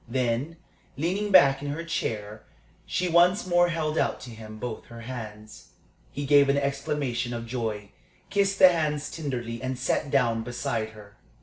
Then, leaning back in her chair, she once more held out to him both her hands. He gave an exclamation of joy, kissed the hands tenderly, and sat down beside her.